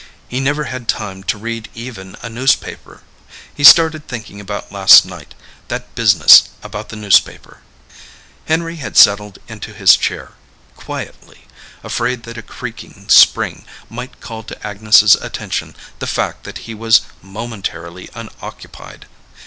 He never had time to read even a newspaper. He started thinking about last night, that business about the newspaper. Henry had settled into his chair, quietly, afraid that a creaking spring might call to Agnes' attention the fact that he was momentarily unoccupied.